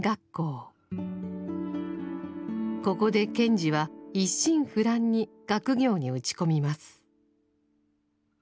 ここで賢治は一心不乱に学業に打ち込みます。